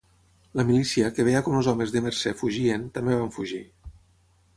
La milícia, que veia com els homes de Mercer fugien, també van fugir.